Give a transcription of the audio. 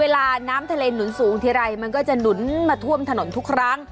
น้ำทะเลหนุนสูงทีไรมันก็จะหนุนมาท่วมถนนทุกครั้ง